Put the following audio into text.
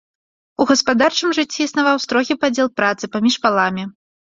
У гаспадарчым жыцці існаваў строгі падзел працы паміж паламі.